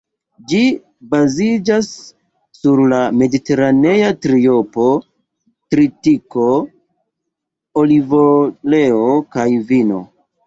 Ĝi baziĝas sur la ""mediteranea triopo"": tritiko, olivoleo kaj vino.